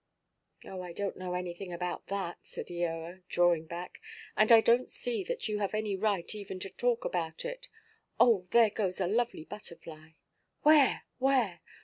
"I donʼt know anything about that," said Eoa, drawing back; "and I donʼt see that you have any right even to talk about it. Oh, there goes a lovely butterfly!" "Where, where?